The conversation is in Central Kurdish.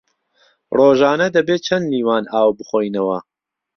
ڕۆژانە دەبێ چەند لیوان ئاو بخۆینەوە؟